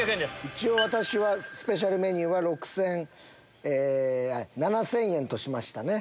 一応私はスペシャルメニューは７０００円としましたね。